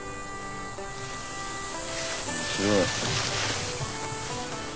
面白い。